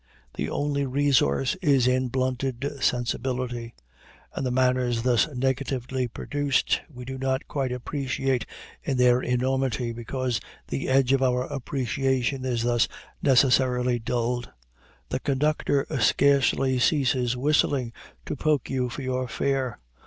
The only resource is in blunted sensibility. And the manners thus negatively produced we do not quite appreciate in their enormity because the edge of our appreciation is thus necessarily dulled. The conductor scarcely ceases whistling to poke you for your fare.